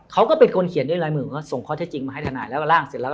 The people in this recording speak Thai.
เขาก็เป็นคนเขียนด้วยลายมือว่าส่งข้อเท็จจริงมาให้ทนายแล้วก็ร่างเสร็จแล้ว